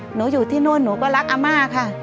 อยู่ที่นู่นหนูก็รักอาม่าค่ะ